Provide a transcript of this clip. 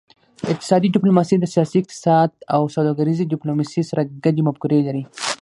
اقتصادي ډیپلوماسي د سیاسي اقتصاد او سوداګریزې ډیپلوماسي سره ګډې مفکورې لري